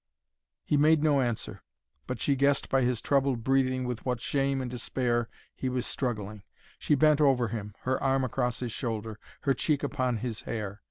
He made no answer; but she guessed by his troubled breathing with what shame and despair he was struggling. She bent over him, her arm across his shoulder, her cheek upon his hair.